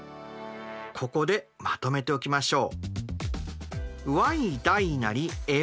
ここでまとめておきましょう。